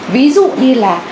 ví dụ như là